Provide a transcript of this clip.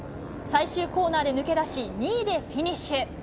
最終コーナーで抜け出し、２位でフィニッシュ。